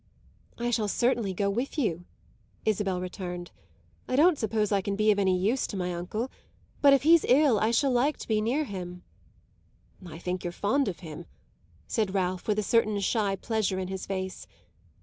"I shall certainly go with you," Isabel returned. "I don't suppose I can be of any use to my uncle, but if he's ill I shall like to be near him." "I think you're fond of him," said Ralph with a certain shy pleasure in his face.